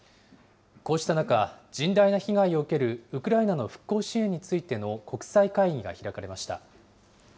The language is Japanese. こうした中、甚大な被害を受けるウクライナの復興支援についての国際会議が開かれました。